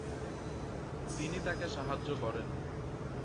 তিনি তাকে সাহায্য করেন।